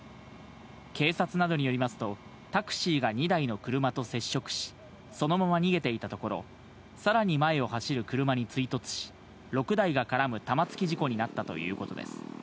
警察などによりますと、タクシーが２台の車と接触し、そのまま逃げていたところ、さらに前を走る車に追突し、６台が絡む玉突き事故になったということです。